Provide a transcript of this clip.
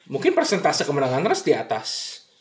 mungkin persentase kemenangan terus di atas